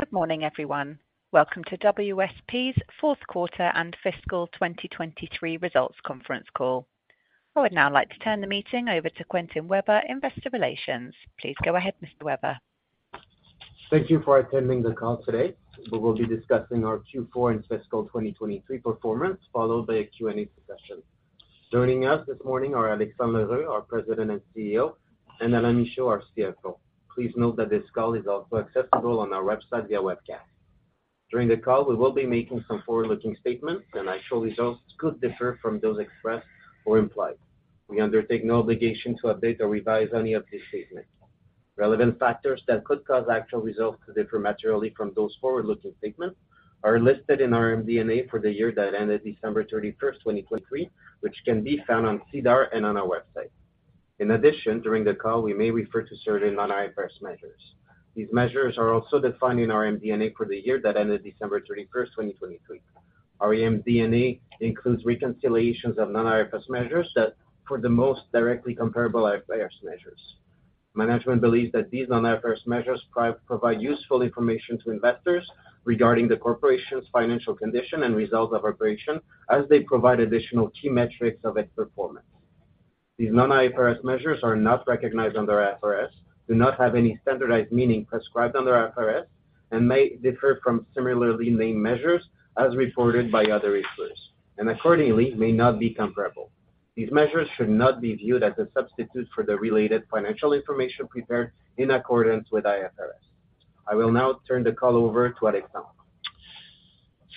Good morning, everyone. Welcome to WSP's Q4 and fiscal 2023 Results Conference Call. I would now like to turn the meeting over to Quentin Weber, Investor Relations. Please go ahead, Mr. Weber. Thank you for attending the call today. We will be discussing our Q4 and fiscal 2023 performance, followed by a Q&A session. Joining us this morning are Alexandre L'Heureux, our President and CEO, and Alain Michaud, our CFO. Please note that this call is also accessible on our website via webcast. During the call, we will be making some forward-looking statements, and actual results could differ from those expressed or implied. We undertake no obligation to update or revise any of these statements. Relevant factors that could cause actual results to differ materially from those forward-looking statements are listed in our MD&A for the year that ended December 31st, 2023, which can be found on SEDAR and on our website. In addition, during the call, we may refer to certain non-IFRS measures. These measures are also defined in our MD&A for the year that ended December 31st, 2023. Our MD&A includes reconciliations of non-IFRS measures that are, for the most part, directly comparable to IFRS measures. Management believes that these non-IFRS measures provide useful information to investors regarding the corporation's financial condition and results of operations, as they provide additional key metrics of its performance. These non-IFRS measures are not recognized under IFRS, do not have any standardized meaning prescribed under IFRS, and may differ from similarly named measures as reported by other issuers, and accordingly may not be comparable. These measures should not be viewed as a substitute for the related financial information prepared in accordance with IFRS. I will now turn the call over to Alexandre.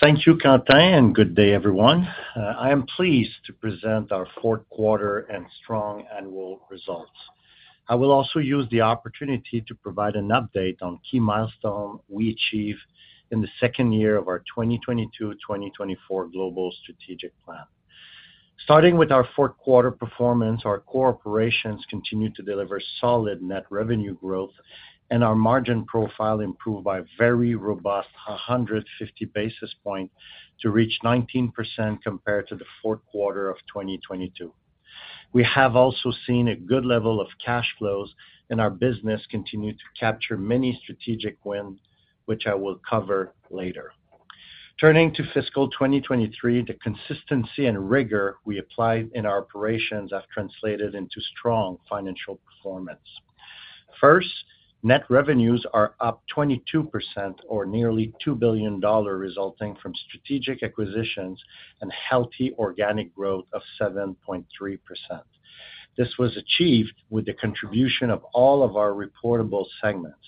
Thank you, Quentin, and good day, everyone. I am pleased to present our Q4 and strong annual results. I will also use the opportunity to provide an update on key milestones we achieved in the second year of our 2022-2024 global strategic plan. Starting with our Q4 performance, our core operations continue to deliver solid net revenue growth, and our margin profile improved by a very robust 150 basis points to reach 19% compared to the Q4 of 2022. We have also seen a good level of cash flows, and our business continues to capture many strategic wins, which I will cover later. Turning to fiscal 2023, the consistency and rigor we applied in our operations have translated into strong financial performance. First, net revenues are up 22%, or nearly 2 billion dollar, resulting from strategic acquisitions and healthy organic growth of 7.3%. This was achieved with the contribution of all of our reportable segments.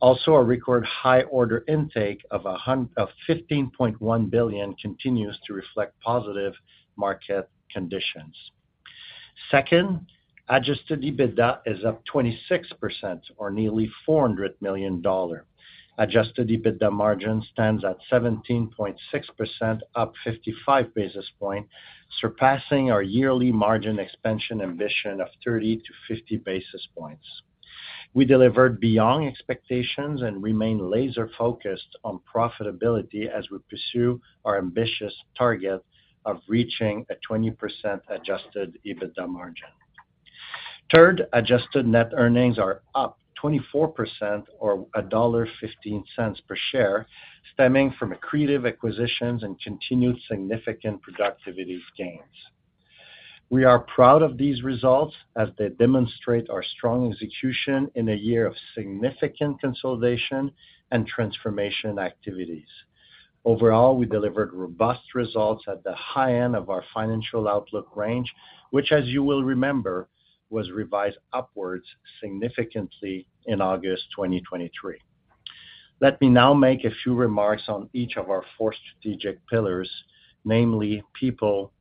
Also, a record high order intake of 15.1 billion continues to reflect positive market conditions. Second, adjusted EBITDA is up 26%, or nearly 400 million dollar. Adjusted EBITDA margin stands at 17.6%, up 55 basis points, surpassing our yearly margin expansion ambition of 30 to 50 basis points. We delivered beyond expectations and remain laser-focused on profitability as we pursue our ambitious target of reaching a 20% adjusted EBITDA margin. Third, adjusted net earnings are up 24%, or dollar 1.15 per share, stemming from accretive acquisitions and continued significant productivity gains. We are proud of these results as they demonstrate our strong execution in a year of significant consolidation and transformation activities. Overall, we delivered robust results at the high end of our financial outlook range, which, as you will remember, was revised upwards significantly in August 2023. Let me now make a few remarks on each of our four strategic pillars, namely people,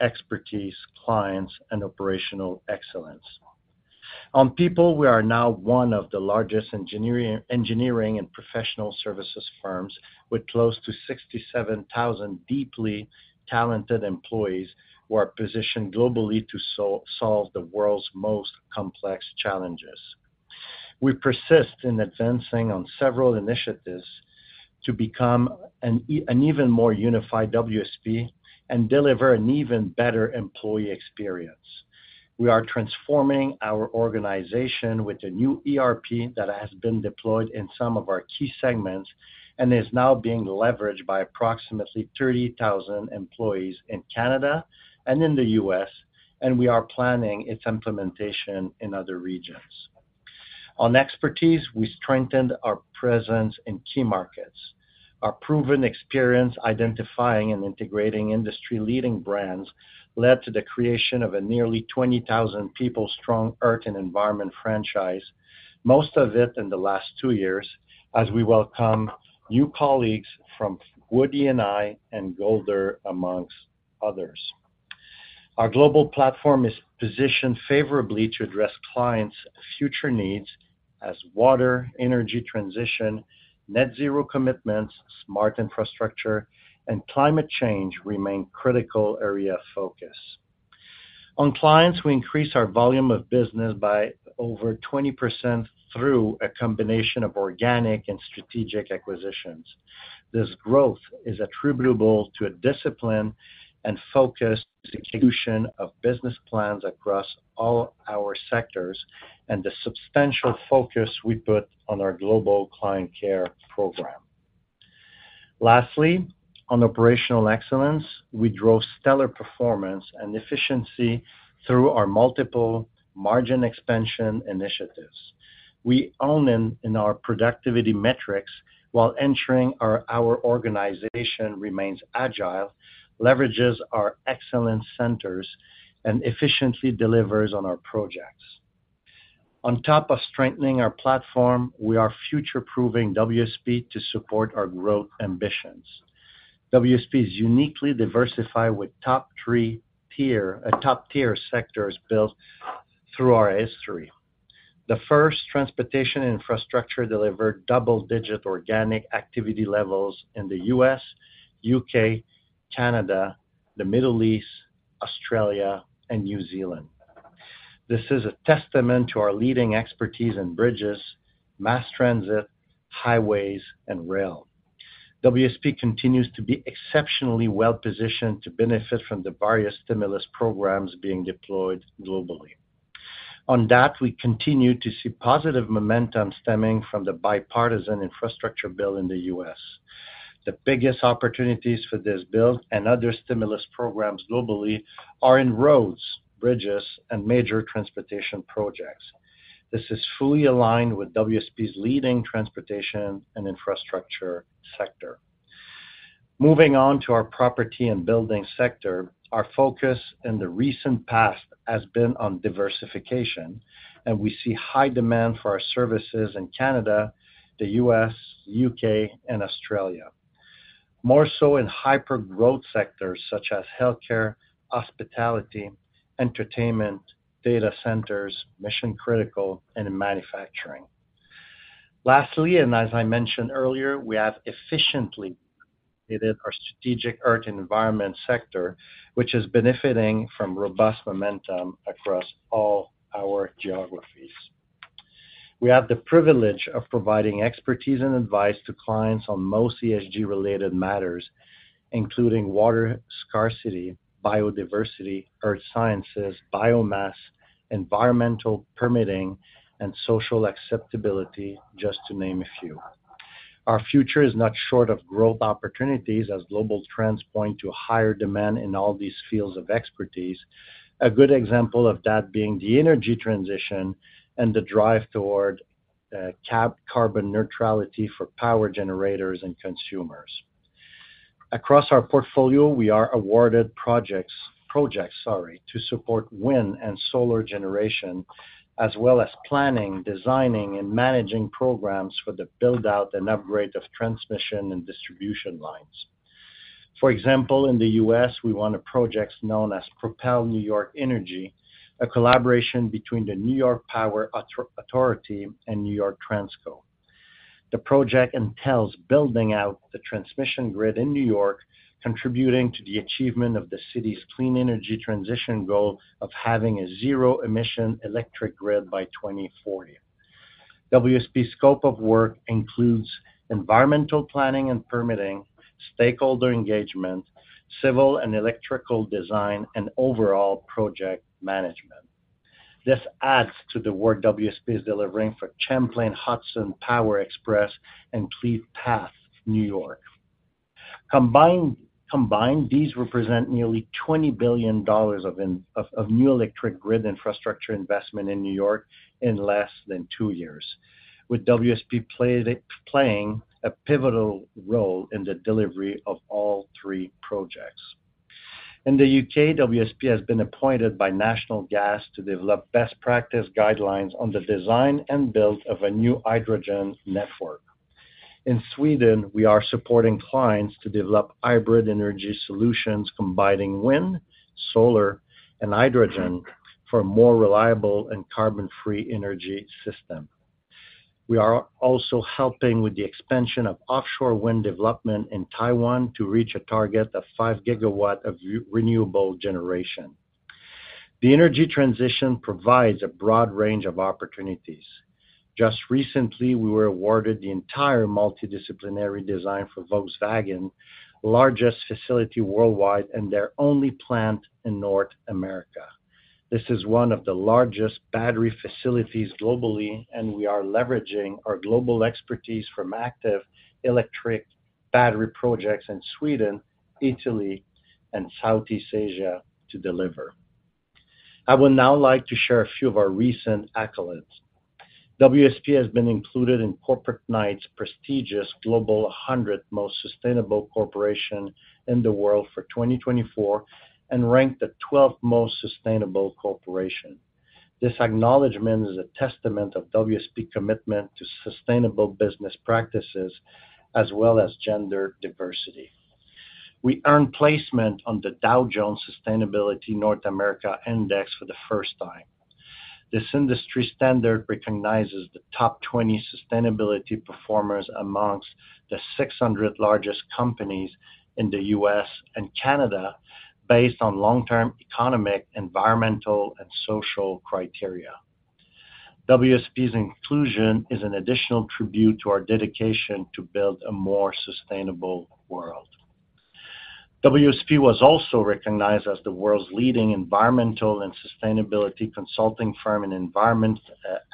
expertise, clients, and operational excellence. On people, we are now one of the largest engineering and professional services firms with close to 67,000 deeply talented employees who are positioned globally to solve the world's most complex challenges. We persist in advancing on several initiatives to become an even more unified WSP and deliver an even better employee experience. We are transforming our organization with a new ERP that has been deployed in some of our key segments and is now being leveraged by approximately 30,000 employees in Canada and in the U.S., and we are planning its implementation in other regions. On expertise, we strengthened our presence in key markets. Our proven experience identifying and integrating industry-leading brands led to the creation of a nearly 20,000-people strong earth and environment franchise, most of it in the last 2 years, as we welcome new colleagues from Wood E&I and Golder, among others. Our global platform is positioned favorably to address clients' future needs, as water, energy transition, net-zero commitments, smart infrastructure, and climate change remain critical area of focus. On clients, we increase our volume of business by over 20% through a combination of organic and strategic acquisitions. This growth is attributable to a disciplined and focused execution of business plans across all our sectors and the substantial focus we put on our global client care program. Lastly, on operational excellence, we drove stellar performance and efficiency through our multiple margin expansion initiatives. We hone in our productivity metrics while ensuring our organization remains agile, leverages our excellence centers, and efficiently delivers on our projects. On top of strengthening our platform, we are future-proving WSP to support our growth ambitions. WSP is uniquely diversified with top-tier sectors built through our history. The first transportation infrastructure delivered double-digit organic activity levels in the U.S., U.K., Canada, the Middle East, Australia, and New Zealand. This is a testament to our leading expertise in bridges, mass transit, highways, and rail. WSP continues to be exceptionally well-positioned to benefit from the various stimulus programs being deployed globally. On that, we continue to see positive momentum stemming from the Bipartisan Infrastructure Bill in the U.S. The biggest opportunities for this bill and other stimulus programs globally are in roads, bridges, and major transportation projects. This is fully aligned with WSP's leading transportation and infrastructure sector. Moving on to our property and building sector, our focus in the recent past has been on diversification, and we see high demand for our services in Canada, the U.S., U.K., and Australia, more so in hyper-growth sectors such as healthcare, hospitality, entertainment, data centers, mission-critical, and manufacturing. Lastly, and as I mentioned earlier, we have efficiently upgraded our strategic earth and environment sector, which is benefiting from robust momentum across all our geographies. We have the privilege of providing expertise and advice to clients on most ESG-related matters, including water scarcity, biodiversity, earth sciences, biomass, environmental permitting, and social acceptability, just to name a few. Our future is not short of growth opportunities, as global trends point to higher demand in all these fields of expertise, a good example of that being the energy transition and the drive toward carbon neutrality for power generators and consumers. Across our portfolio, we are awarded projects to support wind and solar generation, as well as planning, designing, and managing programs for the build-out and upgrade of transmission and distribution lines. For example, in the U.S., we want projects known as Propel New York Energy, a collaboration between the New York Power Authority and New York Transco. The project entails building out the transmission grid in New York, contributing to the achievement of the city's clean energy transition goal of having a zero-emission electric grid by 2040. WSP's scope of work includes environmental planning and permitting, stakeholder engagement, civil and electrical design, and overall project management. This adds to the work WSP is delivering for Champlain Hudson Power Express, and Clean Path New York. Combined, these represent nearly $20 billion of new electric grid infrastructure investment in New York in less than two years, with WSP playing a pivotal role in the delivery of all three projects. In the UK, WSP has been appointed by National Gas to develop best-practice guidelines on the design and build of a new hydrogen network. In Sweden, we are supporting clients to develop hybrid energy solutions combining wind, solar, and hydrogen for a more reliable and carbon-free energy system. We are also helping with the expansion of offshore wind development in Taiwan to reach a target of 5 gigawatts of renewable generation. The energy transition provides a broad range of opportunities. Just recently, we were awarded the entire multidisciplinary design for Volkswagen, the largest facility worldwide and their only plant in North America. This is one of the largest battery facilities globally, and we are leveraging our global expertise from active electric battery projects in Sweden, Italy, and Southeast Asia to deliver. I would now like to share a few of our recent accolades. WSP has been included in Corporate Knights' prestigious Global 100 Most Sustainable Corporations in the World for 2024 and ranked the 12th most sustainable corporation. This acknowledgment is a testament to WSP's commitment to sustainable business practices as well as gender diversity. We earned placement on the Dow Jones Sustainability North America Index for the first time. This industry standard recognizes the top 20 sustainability performers among the 600 largest companies in the U.S. and Canada based on long-term economic, environmental, and social criteria. WSP's inclusion is an additional tribute to our dedication to build a more sustainable world. WSP was also recognized as the world's leading environmental and sustainability consulting firm and Environment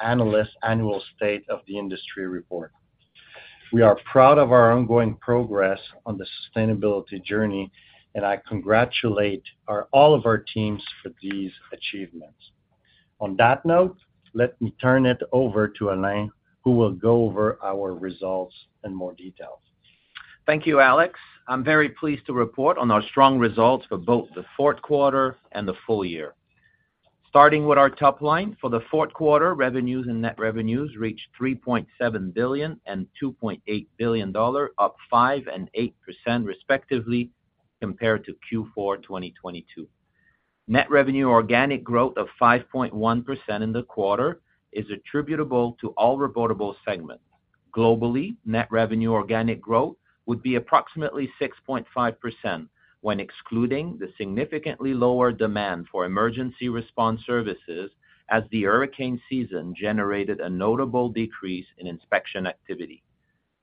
Analyst's annual State of the Industry report. We are proud of our ongoing progress on the sustainability journey, and I congratulate all of our teams for these achievements. On that note, let me turn it over to Alain, who will go over our results in more detail. Thank you, Alex. I'm very pleased to report on our strong results for both the Q4 and the full year. Starting with our top line, for the Q4, revenues and net revenues reached 3.7 billion and 2.8 billion dollar, up 5% and 8% respectively compared to Q4 2022. Net revenue organic growth of 5.1% in the quarter is attributable to all reportable segments. Globally, net revenue organic growth would be approximately 6.5% when excluding the significantly lower demand for emergency response services, as the hurricane season generated a notable decrease in inspection activity.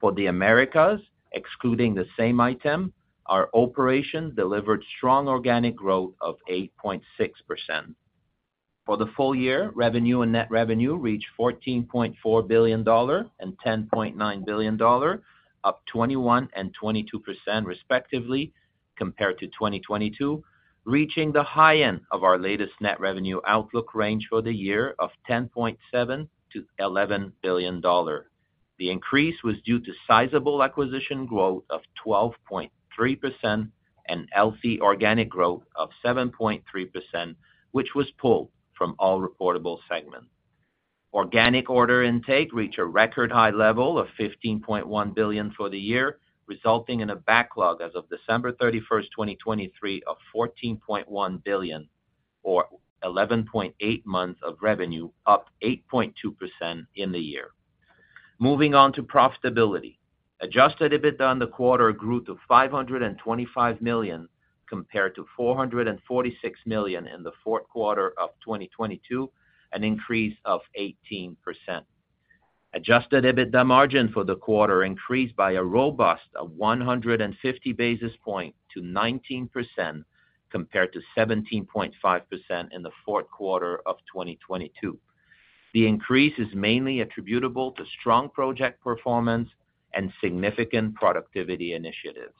For the Americas, excluding the same item, our operations delivered strong organic growth of 8.6%. For the full year, revenue and net revenue reached 14.4 billion dollar and 10.9 billion dollar, up 21% and 22% respectively compared to 2022, reaching the high end of our latest net revenue outlook range for the year of 10.7 billion-11 billion dollar. The increase was due to sizable acquisition growth of 12.3% and healthy organic growth of 7.3%, which was pulled from all reportable segments. Organic order intake reached a record high level of 15.1 billion for the year, resulting in a backlog as of December 31, 2023, of 14.1 billion, or 11.8 months of revenue, up 8.2% in the year. Moving on to profitability, Adjusted EBITDA on the quarter grew to 525 million compared to 446 million in the fQ4 of 2022, an increase of 18%. Adjusted EBITDA margin for the quarter increased by a robust 150 basis points to 19% compared to 17.5% in the Q4 of 2022. The increase is mainly attributable to strong project performance and significant productivity initiatives.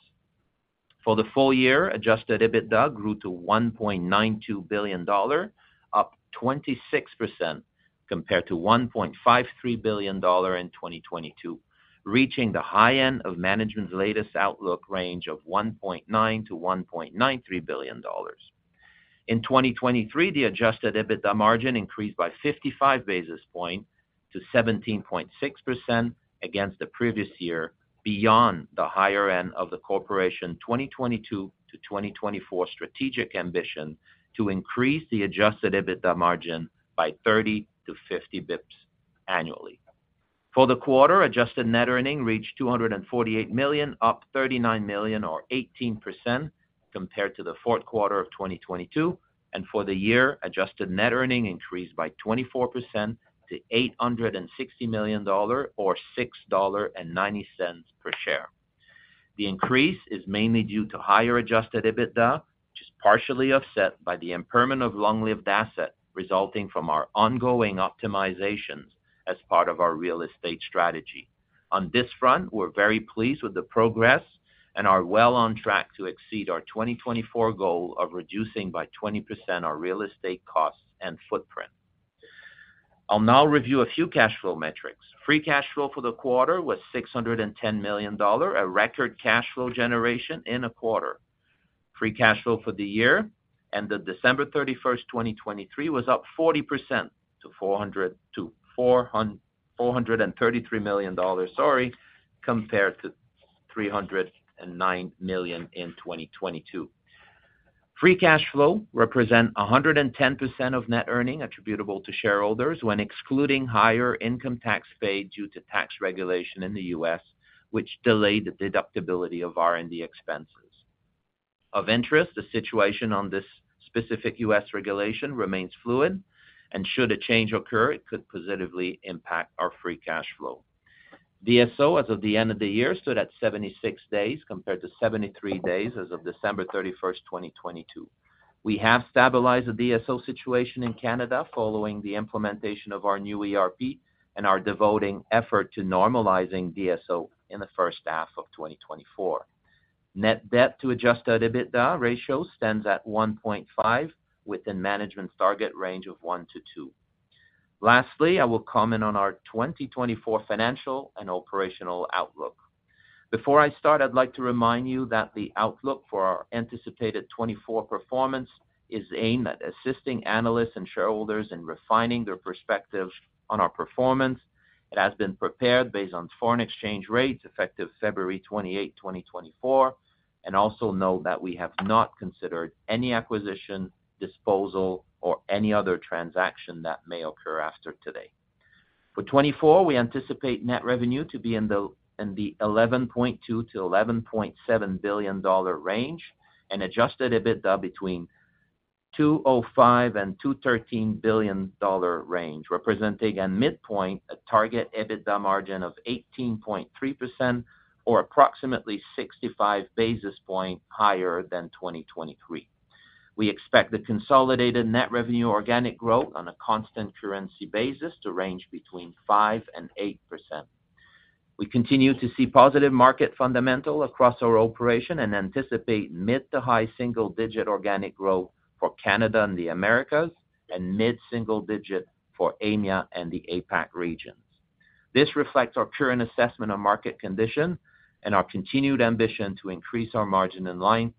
For the full year, Adjusted EBITDA grew to 1.92 billion dollar, up 26% compared to 1.53 billion dollar in 2022, reaching the high end of management's latest outlook range of 1.9 billion-1.93 billion dollars. In 2023, the Adjusted EBITDA margin increased by 55 basis points to 17.6% against the previous year, beyond the higher end of the corporation's 2022 to 2024 strategic ambition to increase the Adjusted EBITDA margin by 30-50 bips annually. For the quarter, adjusted net earnings reached 248 million, up 39 million or 18% compared to the Q4 of 2022, and for the year, adjusted net earnings increased by 24% to 860 million dollar or 6.90 dollar per share. The increase is mainly due to higher Adjusted EBITDA, which is partially offset by the impairment long-lived asset resulting from our ongoing optimizations as part of our real estate strategy. On this front, we're very pleased with the progress and are well on track to exceed our 2024 goal of reducing by 20% our real estate costs and footprint. I'll now review a few cash flow metrics. Free cash flow for the quarter was 610 million dollar, a record cash flow generation in a quarter. Free cash flow for the year and the December 31, 2023, was up 40% to 433 million dollars compared to 309 million in 2022. Free cash flow represents 110% of net earnings attributable to shareholders when excluding higher income tax paid due to tax regulation in the U.S., which delayed the deductibility of R&D expenses. Of interest, the situation on this specific U.S. regulation remains fluid, and should a change occur, it could positively impact our free cash flow. DSO, as of the end of the year, stood at 76 days compared to 73 days as of December 31, 2022. We have stabilized the DSO situation in Canada following the implementation of our new ERP and our devoting effort to normalizing DSO in the first half of 2024. Net debt to adjusted EBITDA ratio stands at 1.5, within management's target range of 1-2. Lastly, I will comment on our 2024 financial and operational outlook. Before I start, I'd like to remind you that the outlook for our anticipated 2024 performance is aimed at assisting analysts and shareholders in refining their perspectives on our performance. It has been prepared based on foreign exchange rates effective February 28, 2024, and also note that we have not considered any acquisition, disposal, or any other transaction that may occur after today. For 2024, we anticipate net revenue to be in the 11.2 billion-11.7 billion dollar range and adjusted EBITDA between 2.05 billion dollar and CAD 2.13 billion range, representing a midpoint target EBITDA margin of 18.3% or approximately 65 basis points higher than 2023. We expect the consolidated net revenue organic growth on a constant currency basis to range between 5% and 8%. We continue to see positive market fundamental across our operation and anticipate mid to high single-digit organic growth for Canada and the Americas and mid single-digit for EMEA and the APAC regions. This reflects our current assessment of market condition and our continued ambition to increase our margin in line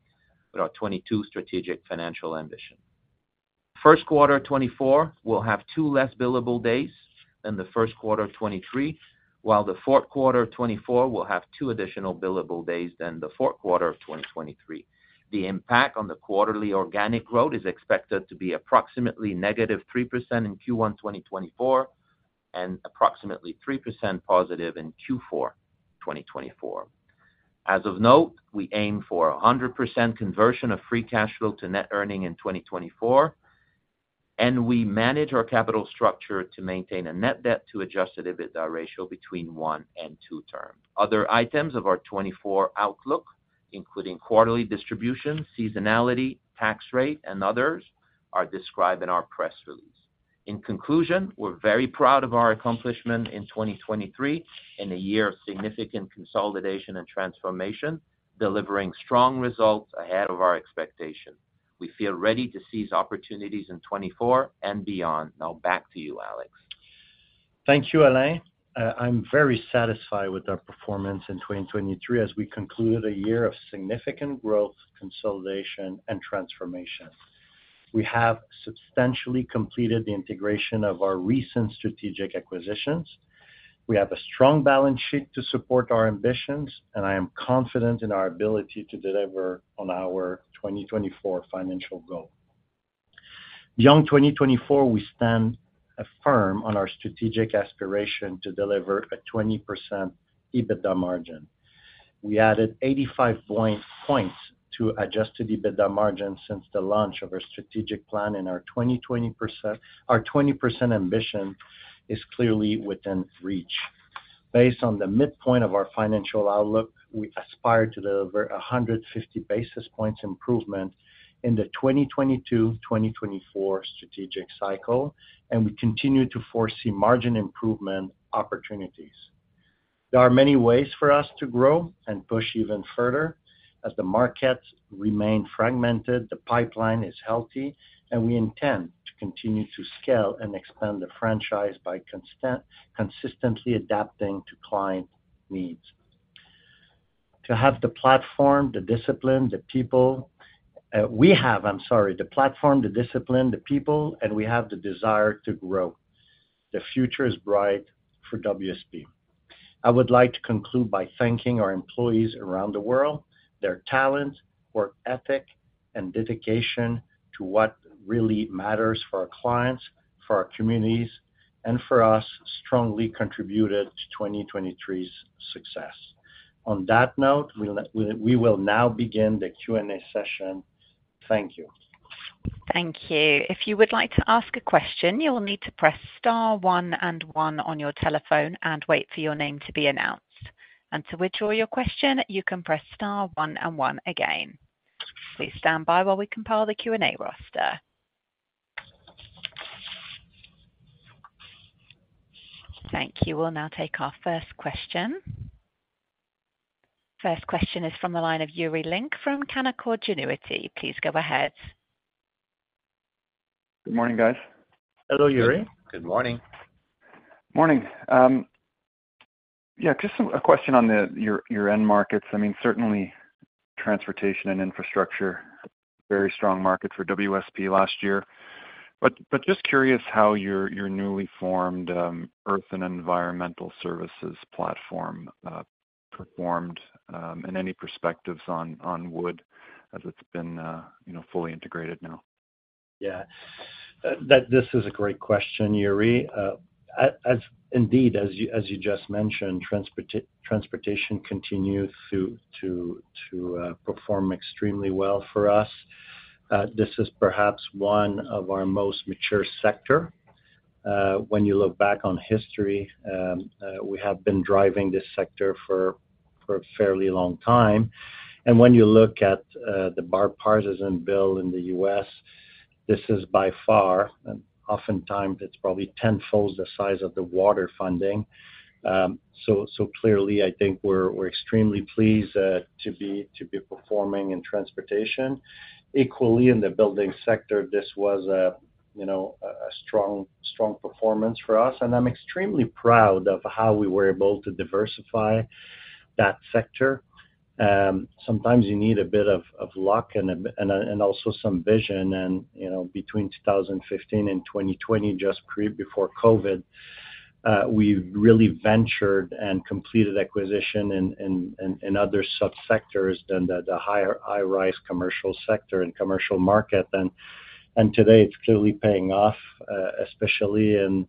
with our 2022 strategic financial ambition. Q1 2024 will have two less billable days than the Q1 2023, while the Q4 2024 will have two additional billable days than the Q4 of 2023. The impact on the quarterly organic growth is expected to be approximately -3% in Q1 2024 and approximately 3% positive in Q4 2024. As noted, we aim for 100% conversion of free cash flow to net earnings in 2024, and we manage our capital structure to maintain a net debt to Adjusted EBITDA ratio between one and two times. Other items of our 2024 outlook, including quarterly distribution, seasonality, tax rate, and others, are described in our press release. In conclusion, we're very proud of our accomplishment in 2023 in a year of significant consolidation and transformation, delivering strong results ahead of our expectations. We feel ready to seize opportunities in 2024 and beyond. Now back to you, Alex. Thank you, Alain. I'm very satisfied with our performance in 2023 as we concluded a year of significant growth, consolidation, and transformation. We have substantially completed the integration of our recent strategic acquisitions. We have a strong balance sheet to support our ambitions, and I am confident in our ability to deliver on our 2024 financial goal. Beyond 2024, we stand firm on our strategic aspiration to deliver a 20% EBITDA margin. We added 85 points to adjusted EBITDA margin since the launch of our strategic plan, and our 20% ambition is clearly within reach. Based on the midpoint of our financial outlook, we aspire to deliver 150 basis points improvement in the 2022-2024 strategic cycle, and we continue to foresee margin improvement opportunities. There are many ways for us to grow and push even further. As the markets remain fragmented, the pipeline is healthy, and we intend to continue to scale and expand the franchise by consistently adapting to client needs. To have the platform, the discipline, the people we have, I'm sorry, the platform, the discipline, the people, and we have the desire to grow. The future is bright for WSP. I would like to conclude by thanking our employees around the world, their talent, work ethic, and dedication to what really matters for our clients, for our communities, and for us, strongly contributed to 2023's success. On that note, we will now begin the Q&A session. Thank you. Thank you. If you would like to ask a question, you'll need to press star 1 and 1 on your telephone and wait for your name to be announced. To withdraw your question, you can press star 1 and 1 again. Please stand by while we compile the Q&A roster. Thank you. We'll now take our first question. First question is from the line of Yuri Lynk from Canaccord Genuity. Please go ahead. Good morning, guys. Hello, Yuri. Good morning. Morning. Yeah, just a question on your end markets. I mean, certainly transportation and infrastructure, very strong markets for WSP last year. But just curious how your newly formed Earth and Environmental Services platform performed and any perspectives on Wood as it's been fully integrated now. Yeah. This is a great question, Yuri. Indeed, as you just mentioned, transportation continues to perform extremely well for us. This is perhaps one of our most mature sectors. When you look back on history, we have been driving this sector for a fairly long time. When you look at the bipartisan bill in the U.S., this is by far, and oftentimes it's probably tenfold the size of the water funding, so clearly, I think we're extremely pleased to be performing in transportation. Equally, in the building sector, this was a strong performance for us, and I'm extremely proud of how we were able to diversify that sector. Sometimes you need a bit of luck and also some vision. Between 2015 and 2020, just before COVID, we really ventured and completed acquisition in other subsectors than the high-rise commercial sector and commercial market. Today, it's clearly paying off, especially in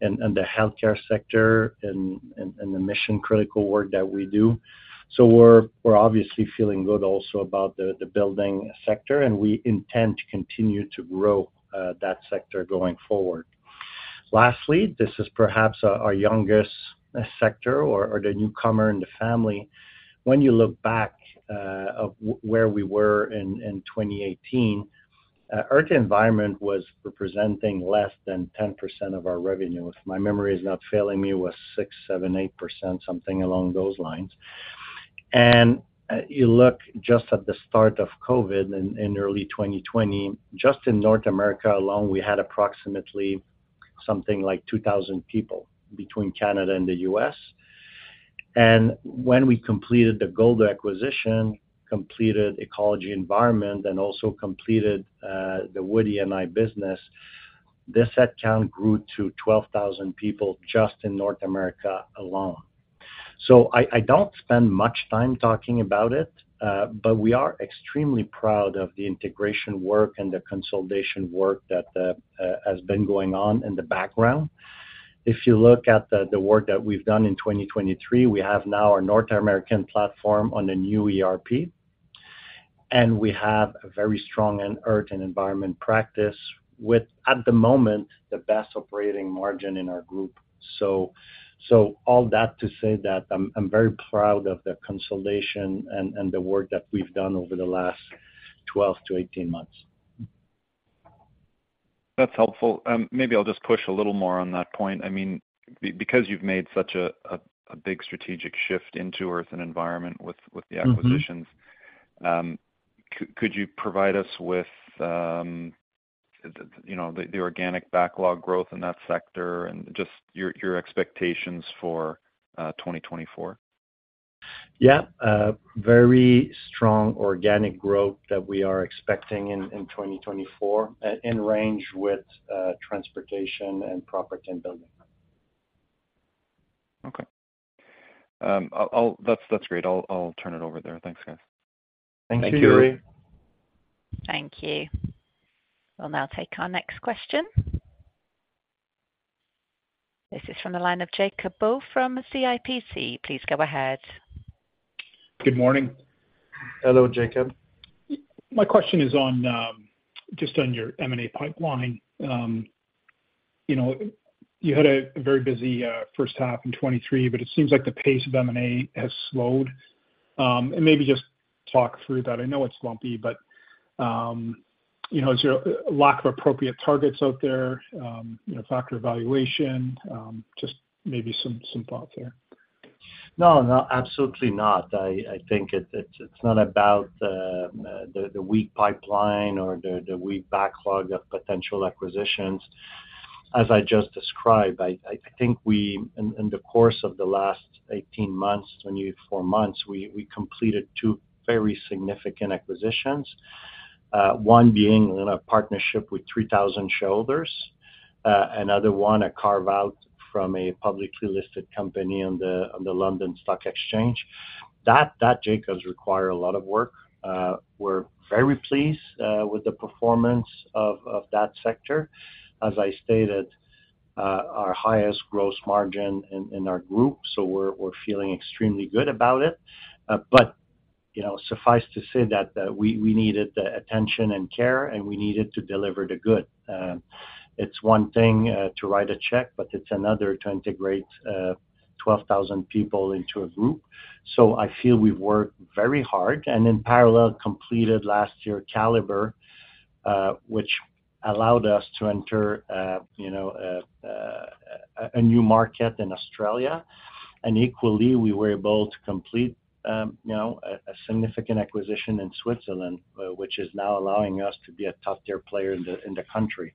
the healthcare sector and the mission-critical work that we do. So we're obviously feeling good also about the building sector, and we intend to continue to grow that sector going forward. Lastly, this is perhaps our youngest sector or the newcomer in the family. When you look back at where we were in 2018, Earth and Environment was representing less than 10% of our revenue. If my memory is not failing me, it was 6, 7, 8 percent, something along those lines. And you look just at the start of COVID in early 2020, just in North America alone, we had approximately something like 2,000 people between Canada and the U.S. And when we completed the Golder acquisition, completed Ecology and Environment, and also completed the Wood E&I business, this headcount grew to 12,000 people just in North America alone. So I don't spend much time talking about it, but we are extremely proud of the integration work and the consolidation work that has been going on in the background. If you look at the work that we've done in 2023, we have now our North American platform on a new ERP, and we have a very strong Earth and Environment practice with, at the moment, the best operating margin in our group. So all that to say that I'm very proud of the consolidation and the work that we've done over the last 12-18 months. That's helpful. Maybe I'll just push a little more on that point. I mean, because you've made such a big strategic shift into Earth and Environment with the acquisitions, could you provide us with the organic backlog growth in that sector and just your expectations for 2024? Yeah. Very strong organic growth that we are expecting in 2024, in range with transportation and property and building. Okay. That's great. I'll turn it over there. Thanks, guys. Thank you, Yuri. Thank you. We'll now take our next question. This is from the line of Jacob Bout from CIBC. Please go ahead. Good morning. Hello, Jacob. My question is just on your M&A pipeline. You had a very busy first half in 2023, but it seems like the pace of M&A has slowed. Maybe just talk through that. I know it's lumpy, but is there a lack of appropriate targets out there, factor evaluation, just maybe some thoughts there? No, no, absolutely not. I think it's not about the weak pipeline or the weak backlog of potential acquisitions. As I just described, I think in the course of the last 18 months, 24 months, we completed two very significant acquisitions, one being in a partnership with 3,000 shareholders, another one a carve-out from a publicly listed company on the London Stock Exchange. That, Jacob, has required a lot of work. We're very pleased with the performance of that sector. As I stated, our highest gross margin in our group, so we're feeling extremely good about it. But suffice to say that we needed the attention and care, and we needed to deliver the good. It's one thing to write a check, but it's another to integrate 12,000 people into a group. I feel we've worked very hard and, in parallel, completed last year Calibre, which allowed us to enter a new market in Australia. Equally, we were able to complete a significant acquisition in Switzerland, which is now allowing us to be a top-tier player in the country.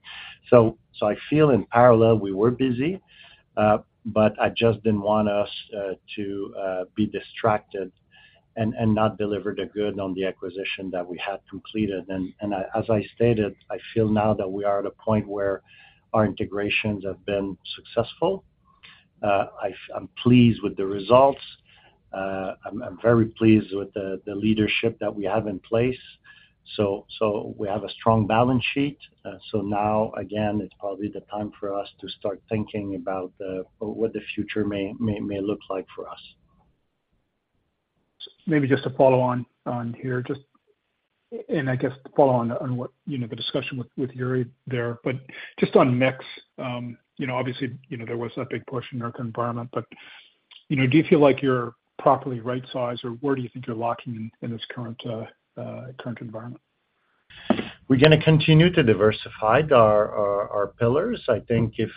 I feel, in parallel, we were busy, but I just didn't want us to be distracted and not deliver the good on the acquisition that we had completed. As I stated, I feel now that we are at a point where our integrations have been successful. I'm pleased with the results. I'm very pleased with the leadership that we have in place. We have a strong balance sheet. Now, again, it's probably the time for us to start thinking about what the future may look like for us. Maybe just to follow on here, and I guess follow on what the discussion with Yuri there, but just on mix, obviously, there was a big push in Earth and Environment. But do you feel like you're properly right-sized, or where do you think you're locking in this current environment? We're going to continue to diversify our pillars. I think if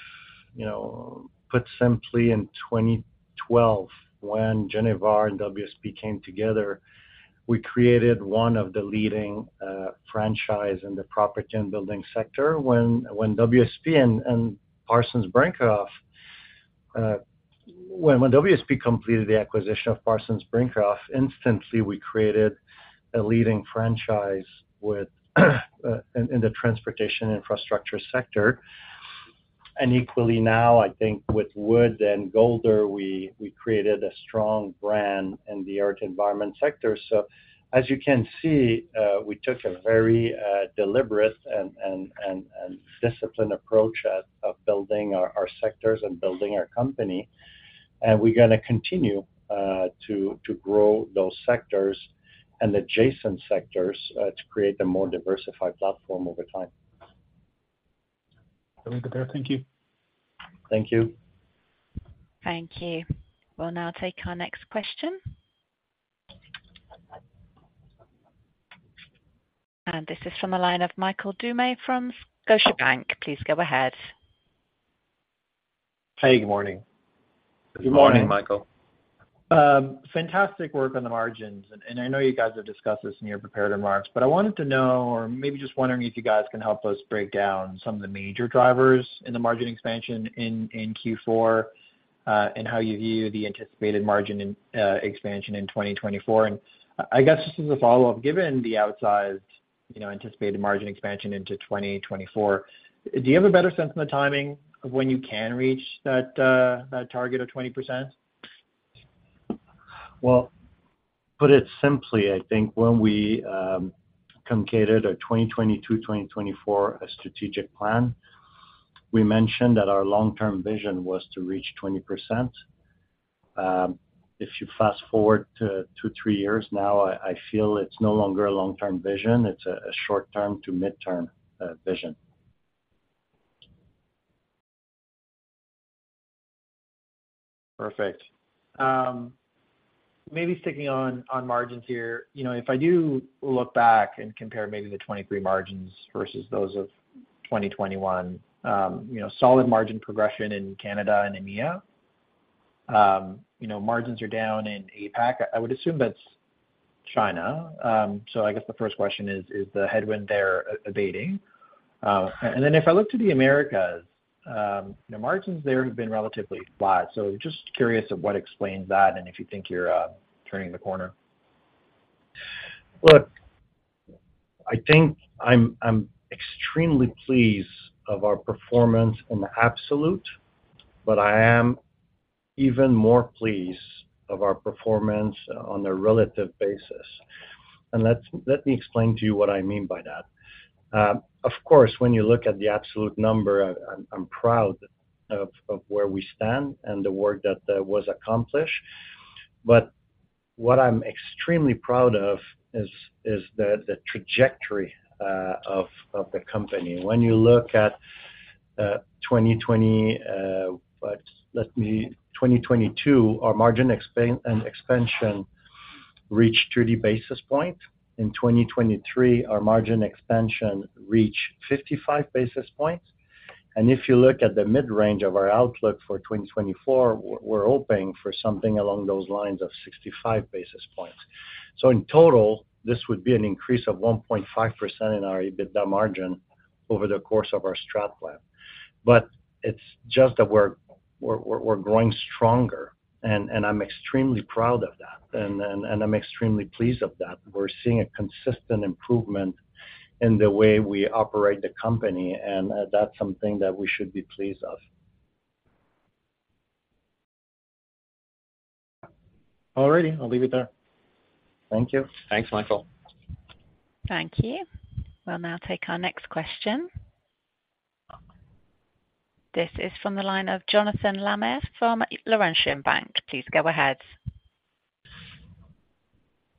you put simply in 2012, when Genivar and WSP came together, we created one of the leading franchises in the property and building sector. When WSP completed the acquisition of Parsons Brinckerhoff, instantly, we created a leading franchise in the transportation infrastructure sector. And equally, now, I think with Wood and Golder, we created a strong brand in the Earth and Environment sector. So as you can see, we took a very deliberate and disciplined approach of building our sectors and building our company. And we're going to continue to grow those sectors and adjacent sectors to create a more diversified platform over time. That'll be good there. Thank you. Thank you. Thank you. We'll now take our next question. This is from the line of Michael Doumet from Scotiabank. Please go ahead. Hey, good morning. Good morning, Michael. Fantastic work on the margins. I know you guys have discussed this in your preparatory remarks, but I wanted to know or maybe just wondering if you guys can help us break down some of the major drivers in the margin expansion in Q4 and how you view the anticipated margin expansion in 2024. I guess just as a follow-up, given the outsized anticipated margin expansion into 2024, do you have a better sense of the timing of when you can reach that target of 20%? Well, put it simply, I think when we concluded a 2022-2024 strategic plan, we mentioned that our long-term vision was to reach 20%. If you fast-forward two, three years now, I feel it's no longer a long-term vision. It's a short-term to mid-term vision. Perfect. Maybe sticking on margins here, if I do look back and compare maybe the 2023 margins versus those of 2021, solid margin progression in Canada and EMEA. Margins are down in APAC. I would assume that's China. So I guess the first question is, is the headwind there abating? And then if I look to the Americas, margins there have been relatively flat. So just curious of what explains that and if you think you're turning the corner. Look, I think I'm extremely pleased with our performance in the absolute, but I am even more pleased with our performance on a relative basis. And let me explain to you what I mean by that. Of course, when you look at the absolute number, I'm proud of where we stand and the work that was accomplished. But what I'm extremely proud of is the trajectory of the company. When you look at 2022, our margin expansion reached 30 basis points. In 2023, our margin expansion reached 55 basis points. And if you look at the mid-range of our outlook for 2024, we're hoping for something along those lines of 65 basis points. So in total, this would be an increase of 1.5% in our EBITDA margin over the course of our strat plan. But it's just that we're growing stronger, and I'm extremely proud of that. I'm extremely pleased with that. We're seeing a consistent improvement in the way we operate the company, and that's something that we should be pleased with. All righty. I'll leave it there. Thank you. Thanks, Michael. Thank you. We'll now take our next question. This is from the line of Jonathan Lamers from Laurentian Bank. Please go ahead.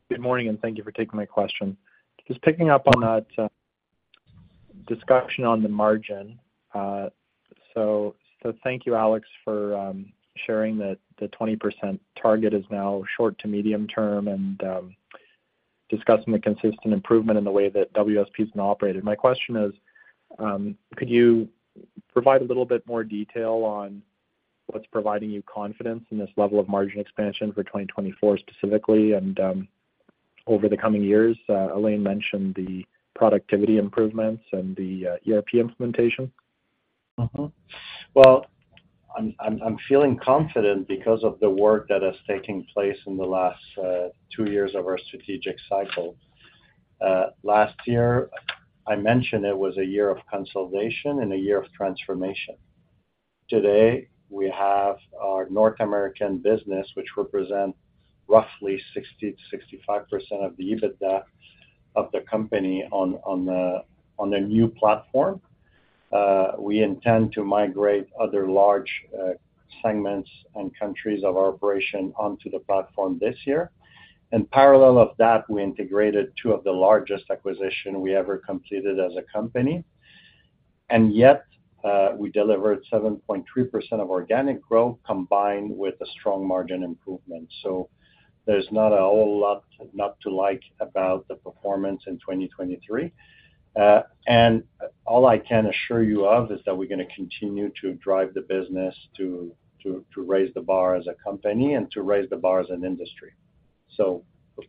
Good morning, and thank you for taking my question. Just picking up on that discussion on the margin. So thank you, Alex, for sharing that the 20% target is now short to medium-term and discussing the consistent improvement in the way that WSP has been operated. My question is, could you provide a little bit more detail on what's providing you confidence in this level of margin expansion for 2024 specifically and over the coming years? Alain mentioned the productivity improvements and the ERP implementation. Well, I'm feeling confident because of the work that has taken place in the last two years of our strategic cycle. Last year, I mentioned it was a year of consolidation and a year of transformation. Today, we have our North American business, which represents roughly 60%-65% of the EBITDA of the company on a new platform. We intend to migrate other large segments and countries of our operation onto the platform this year. In parallel of that, we integrated two of the largest acquisitions we ever completed as a company. And yet, we delivered 7.3% of organic growth combined with a strong margin improvement. So there's not a whole lot not to like about the performance in 2023. All I can assure you of is that we're going to continue to drive the business to raise the bar as a company and to raise the bar as an industry.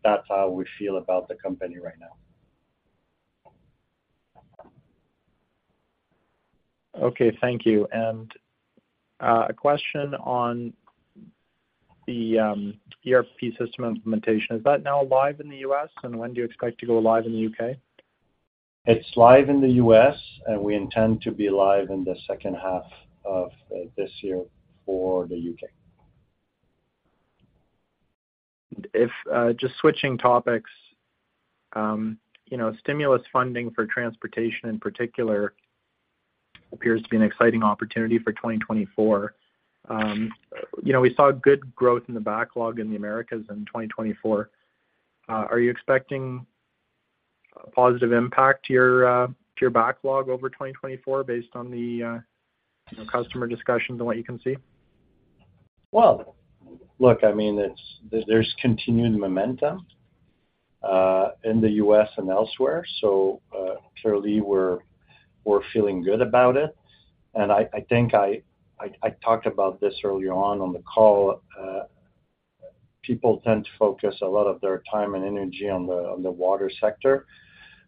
That's how we feel about the company right now. Okay. Thank you. A question on the ERP system implementation. Is that now live in the U.S., and when do you expect to go live in the U.K.? It's live in the U.S., and we intend to be live in the second half of this year for the U.K. Just switching topics, stimulus funding for transportation, in particular, appears to be an exciting opportunity for 2024. We saw good growth in the backlog in the Americas in 2024. Are you expecting a positive impact to your backlog over 2024 based on the customer discussions and what you can see? Well, look, I mean, there's continued momentum in the U.S. and elsewhere. So clearly, we're feeling good about it. And I think I talked about this earlier on the call. People tend to focus a lot of their time and energy on the water sector,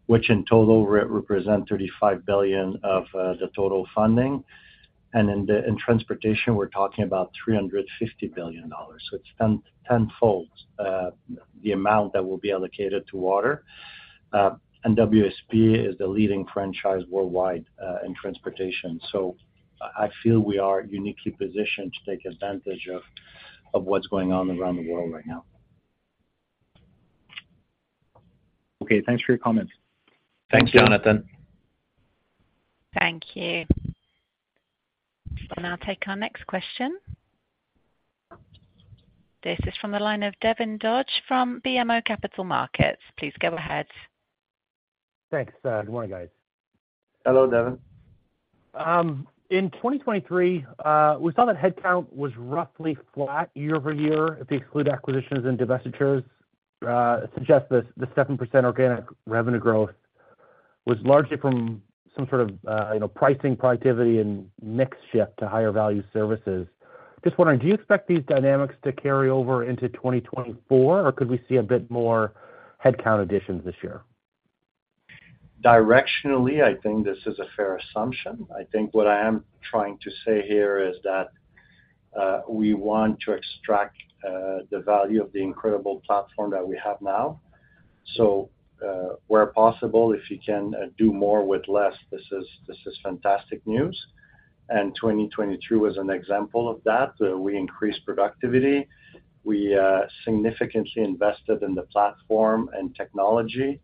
which in total represents $35 billion of the total funding. And in transportation, we're talking about $350 billion. So it's tenfold the amount that will be allocated to water. And WSP is the leading franchise worldwide in transportation. So I feel we are uniquely positioned to take advantage of what's going on around the world right now. Okay. Thanks for your comments. Thanks, Jonathan. Thank you. We'll now take our next question. This is from the line of Devin Dodge from BMO Capital Markets. Please go ahead. Thanks. Good morning, guys. Hello, Devin. In 2023, we saw that headcount was roughly flat year-over-year if you exclude acquisitions and divestitures. It suggests the 7% organic revenue growth was largely from some sort of pricing, productivity, and mix shift to higher-value services. Just wondering, do you expect these dynamics to carry over into 2024, or could we see a bit more headcount additions this year? Directionally, I think this is a fair assumption. I think what I am trying to say here is that we want to extract the value of the incredible platform that we have now. Where possible, if you can do more with less, this is fantastic news. 2023 was an example of that. We increased productivity. We significantly invested in the platform and technology.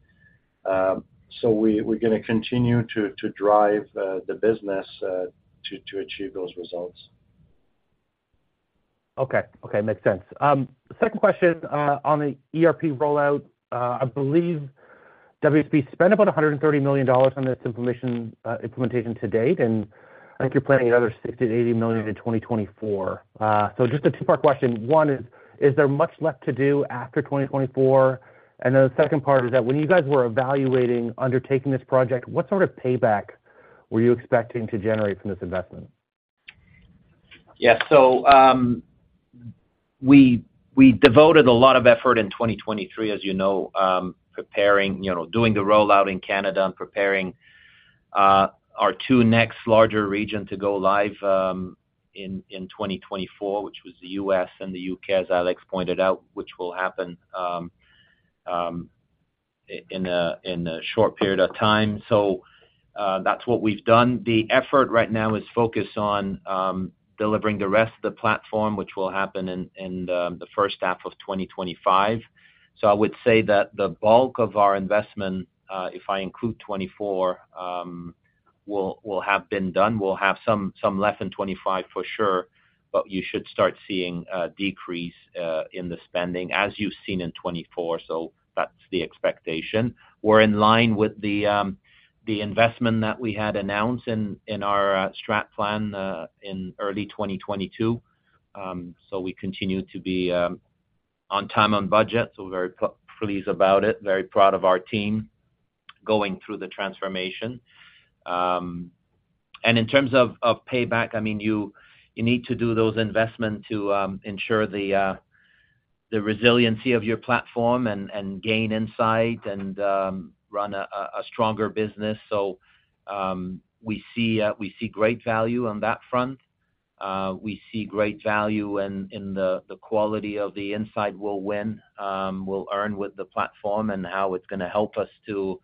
We're going to continue to drive the business to achieve those results. Okay. Okay. Makes sense. Second question on the ERP rollout. I believe WSP spent about 130 million dollars on this implementation to date, and I think you're planning another 60 million-80 million in 2024. Just a two-part question. One is, is there much left to do after 2024? And then the second part is that when you guys were evaluating undertaking this project, what sort of payback were you expecting to generate from this investment? Yeah. So we devoted a lot of effort in 2023, as you know, doing the rollout in Canada and preparing our two next larger regions to go live in 2024, which was the U.S. and the U.K., as Alex pointed out, which will happen in a short period of time. So that's what we've done. The effort right now is focused on delivering the rest of the platform, which will happen in the first half of 2025. So I would say that the bulk of our investment, if I include 2024, will have been done. We'll have some left in 2025 for sure, but you should start seeing a decrease in the spending as you've seen in 2024. So that's the expectation. We're in line with the investment that we had announced in our strat plan in early 2022. So we continue to be on time on budget. So very pleased about it, very proud of our team going through the transformation. And in terms of payback, I mean, you need to do those investments to ensure the resiliency of your platform and gain insight and run a stronger business. So we see great value on that front. We see great value in the quality of the insight we'll earn with the platform and how it's going to help us to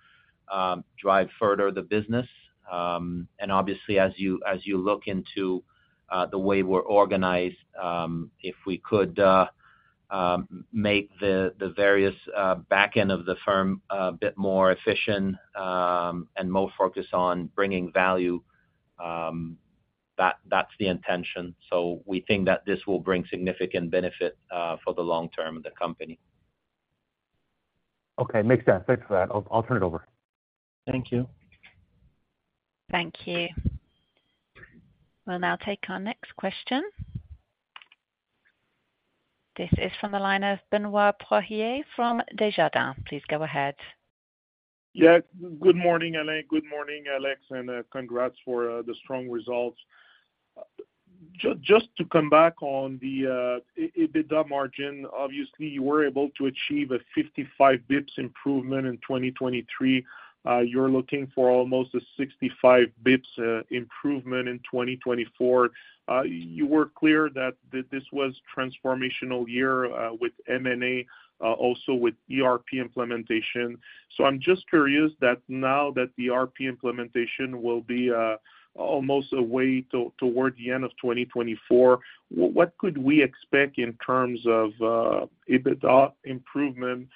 drive further the business. And obviously, as you look into the way we're organized, if we could make the various back end of the firm a bit more efficient and more focused on bringing value, that's the intention. So we think that this will bring significant benefit for the long term of the company. Okay. Makes sense. Thanks for that. I'll turn it over. Thank you. Thank you. We'll now take our next question. This is from the line of Benoit Poirier from Desjardins. Please go ahead. Yeah. Good morning, Alain. Good morning, Alex, and congrats for the strong results. Just to come back on the EBITDA margin, obviously, you were able to achieve a 55 bips improvement in 2023. You're looking for almost a 65 bips improvement in 2024. You were clear that this was a transformational year with M&A, also with ERP implementation. So I'm just curious that now that the ERP implementation will be almost away toward the end of 2024, what could we expect in terms of EBITDA improvement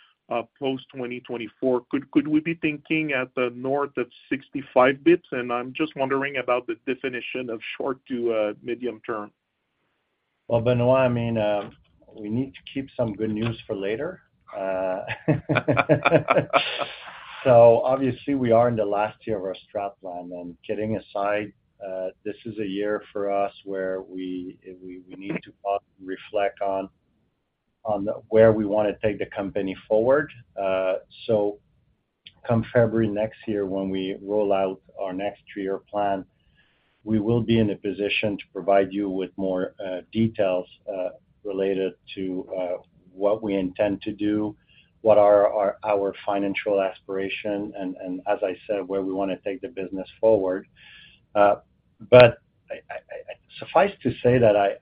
post-2024? Could we be thinking at the north of 65 bips? And I'm just wondering about the definition of short to medium term. Well, Benoit, I mean, we need to keep some good news for later. So obviously, we are in the last year of our strat plan. Setting aside, this is a year for us where we need to pause and reflect on where we want to take the company forward. So come February next year when we roll out our next three-year plan, we will be in a position to provide you with more details related to what we intend to do, what are our financial aspirations, and as I said, where we want to take the business forward. Suffice to say that I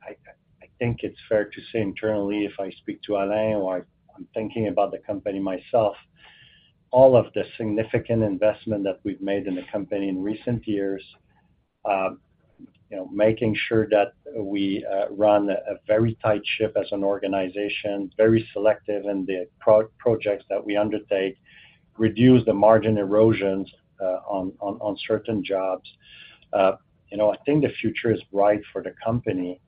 think it's fair to say internally, if I speak to Alain or I'm thinking about the company myself, all of the significant investment that we've made in the company in recent years, making sure that we run a very tight ship as an organization, very selective in the projects that we undertake, reduce the margin erosions on certain jobs. I think the future is bright for the company.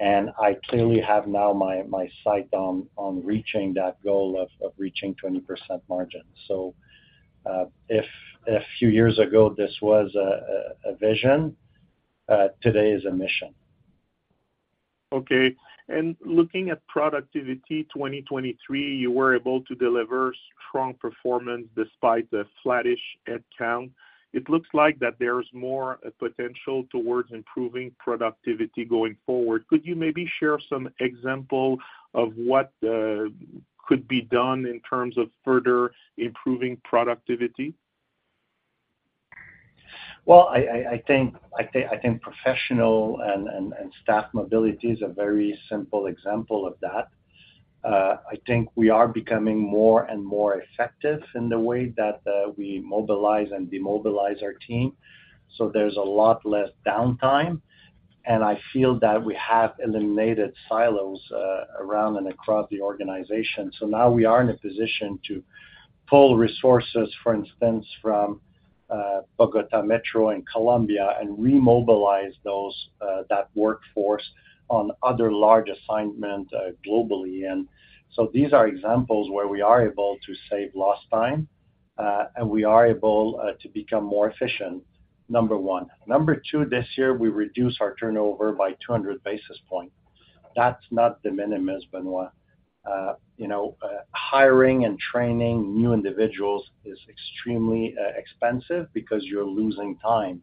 I clearly have now my sight on reaching that goal of reaching 20% margin. If a few years ago, this was a vision, today is a mission. Okay. Looking at productivity 2023, you were able to deliver strong performance despite a flattish headcount. It looks like there's more potential towards improving productivity going forward. Could you maybe share some example of what could be done in terms of further improving productivity? Well, I think professional and staff mobility is a very simple example of that. I think we are becoming more and more effective in the way that we mobilize and demobilize our team. So there's a lot less downtime. And I feel that we have eliminated silos around and across the organization. So now we are in a position to pull resources, for instance, from Bogotá Metro and Colombia and remobilize that workforce on other large assignments globally. And so these are examples where we are able to save lost time, and we are able to become more efficient, number one. Number two, this year, we reduce our turnover by 200 basis points. That's not the minimum, Benoit. Hiring and training new individuals is extremely expensive because you're losing time.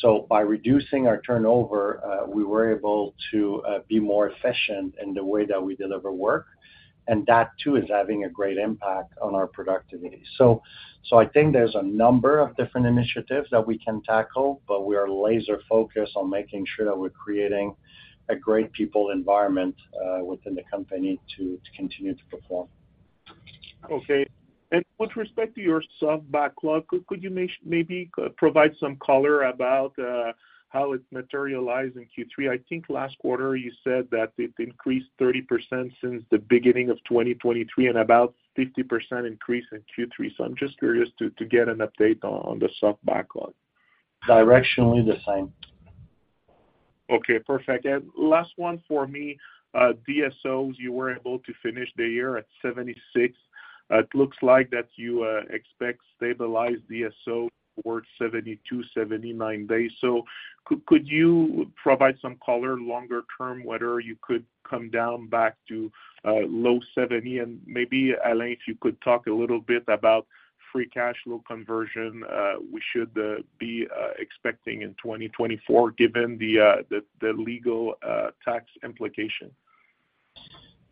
So by reducing our turnover, we were able to be more efficient in the way that we deliver work. That, too, is having a great impact on our productivity. I think there's a number of different initiatives that we can tackle, but we are laser-focused on making sure that we're creating a great people environment within the company to continue to perform. Okay. And with respect to your soft backlog, could you maybe provide some color about how it materialized in Q3? I think last quarter, you said that it increased 30% since the beginning of 2023 and about 50% increase in Q3. So I'm just curious to get an update on the soft backlog. Directionally, the same. Okay. Perfect. And last one for me, DSOs. You were able to finish the year at 76. It looks like that you expect stabilized DSOs towards 72-79 days. So could you provide some color longer term, whether you could come down back to low 70? And maybe, Alain, if you could talk a little bit about free cash flow conversion we should be expecting in 2024 given the legal tax implications.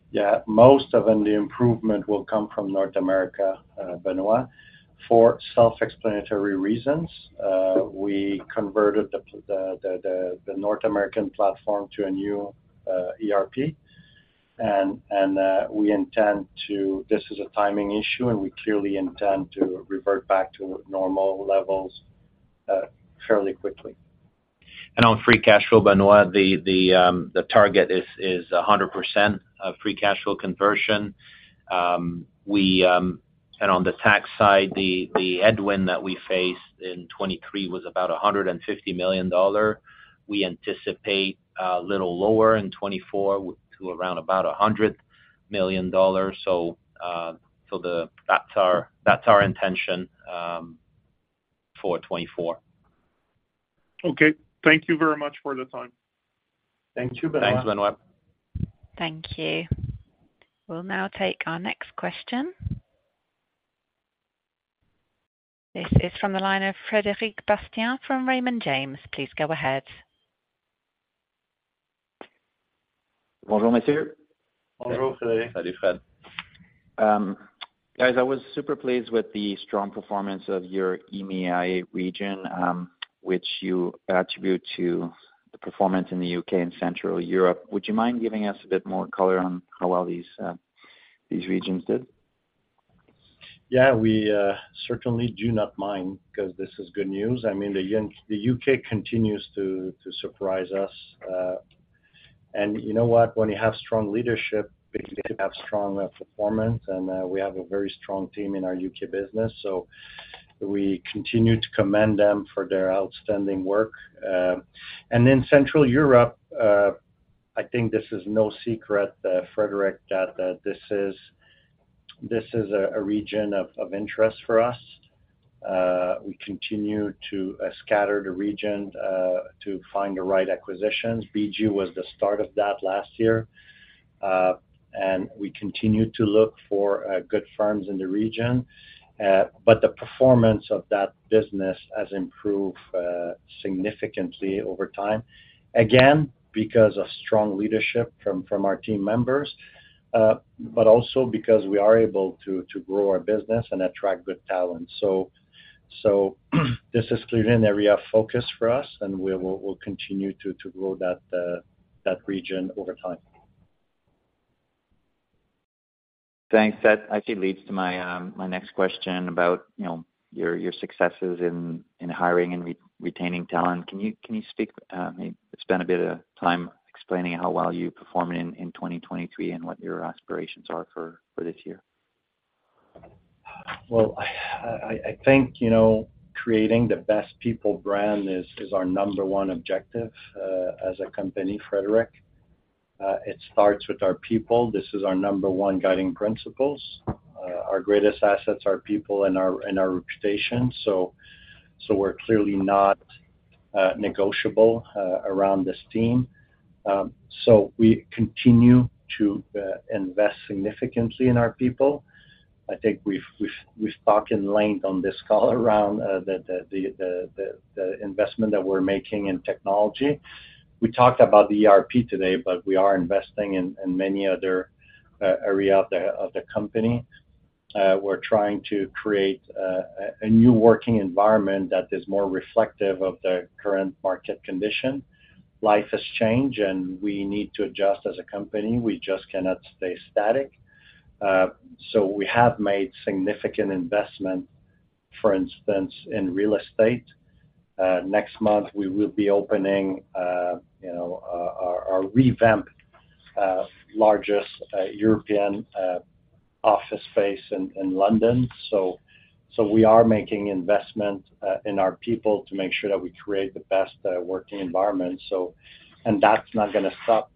Yeah. Most of the improvement will come from North America, Benoit. For self-explanatory reasons, we converted the North American platform to a new ERP. And we intend to. This is a timing issue, and we clearly intend to revert back to normal levels fairly quickly. On free cash flow, Benoit, the target is 100% free cash flow conversion. On the tax side, the headwind that we faced in 2023 was about 150 million dollar. We anticipate a little lower in 2024 to around about 100 million dollars. That's our intention for 2024. Okay. Thank you very much for the time. Thank you, Benoit. Thanks, Benoit. Thank you. We'll now take our next question. This is from the line of Frédéric Bastien from Raymond James. Please go ahead. Bonjour, messieurs. Bonjour, Frédéric. Salut, Fred. Guys, I was super pleased with the strong performance of your EMEI region, which you attribute to the performance in the U.K. and Central Europe. Would you mind giving us a bit more color on how well these regions did? Yeah. We certainly do not mind because this is good news. I mean, the U.K. continues to surprise us. And you know what? When you have strong leadership, you have strong performance. And we have a very strong team in our U.K. business. So we continue to commend them for their outstanding work. And in Central Europe, I think this is no secret, Frédéric, that this is a region of interest for us. We continue to scour the region to find the right acquisitions. BG was the start of that last year. And we continue to look for good firms in the region. But the performance of that business has improved significantly over time, again, because of strong leadership from our team members, but also because we are able to grow our business and attract good talent. This is clearly an area of focus for us, and we'll continue to grow that region over time. Thanks. That actually leads to my next question about your successes in hiring and retaining talent. Can you speak maybe spend a bit of time explaining how well you performed in 2023 and what your aspirations are for this year? Well, I think creating the best people brand is our number 1 objective as a company, Frédéric. It starts with our people. This is our number 1 guiding principles. Our greatest assets are people and our reputation. So we're clearly not negotiable around this team. So we continue to invest significantly in our people. I think we've talked in length on this call around the investment that we're making in technology. We talked about the ERP today, but we are investing in many other areas of the company. We're trying to create a new working environment that is more reflective of the current market condition. Life has changed, and we need to adjust as a company. We just cannot stay static. So we have made significant investments, for instance, in real estate. Next month, we will be opening our revamped largest European office space in London. We are making investments in our people to make sure that we create the best working environment. That's not going to stop.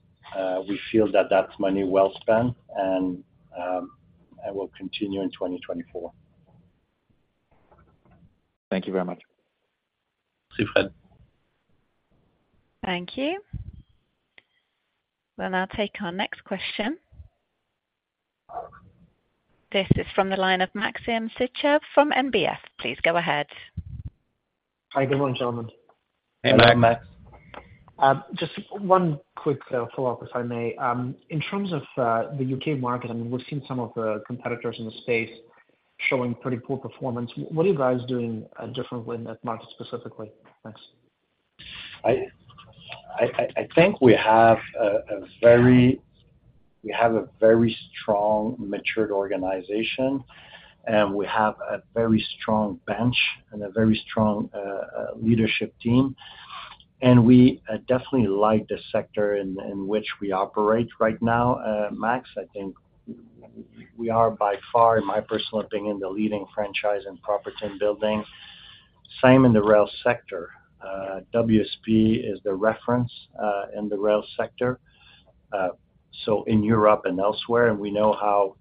We feel that that's money well spent and will continue in 2024. Thank you very much. Merci, Fred. Thank you. We'll now take our next question. This is from the line of Maxim Sytchev from NBF. Please go ahead. Hi, good morning, gentlemen. Hey, Max. Hi, Max. Just one quick follow-up, if I may. In terms of the U.K. market, I mean, we've seen some of the competitors in the space showing pretty poor performance. What are you guys doing differently in that market specifically? Thanks. I think we have a very strong, matured organization, and we have a very strong bench and a very strong leadership team. We definitely like the sector in which we operate right now. Max, I think we are by far, in my personal opinion, the leading franchise in Property and Building. Same in the rail sector. WSP is the reference in the rail sector, so in Europe and elsewhere. We know how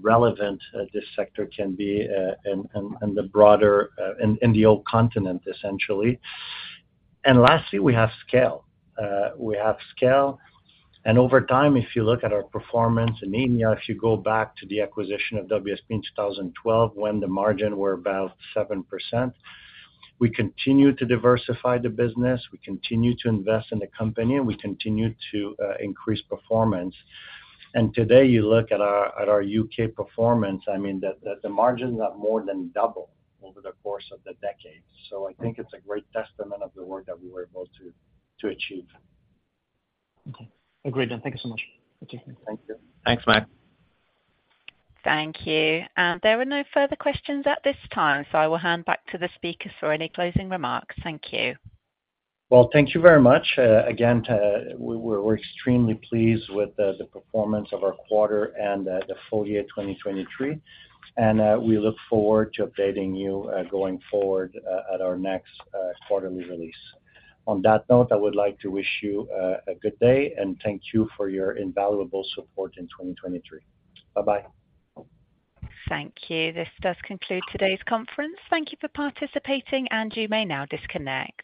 relevant this sector can be in the broader in the old continent, essentially. Lastly, we have scale. We have scale. Over time, if you look at our performance in EMEA, if you go back to the acquisition of WSP in 2012 when the margin were about 7%, we continue to diversify the business. We continue to invest in the company, and we continue to increase performance. Today, you look at our UK performance, I mean, the margin's not more than doubled over the course of the decade. I think it's a great testament of the work that we were able to achieve. Okay. Agreed. And thank you so much. Thank you. Thanks, Max. Thank you. There were no further questions at this time, so I will hand back to the speakers for any closing remarks. Thank you. Well, thank you very much. Again, we're extremely pleased with the performance of our quarter and the full year 2023. We look forward to updating you going forward at our next quarterly release. On that note, I would like to wish you a good day, and thank you for your invaluable support in 2023. Bye-bye. Thank you. This does conclude today's conference. Thank you for participating, and you may now disconnect.